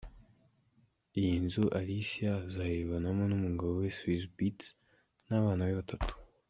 Iyi nzu Alicia azayibanamo n’umugabo we Swizz Beatz n’abana be batatu.